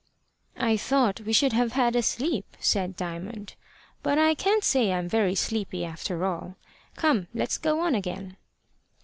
"I thought we should have had a sleep," said Diamond; "but I can't say I'm very sleepy after all. Come, let's go on again."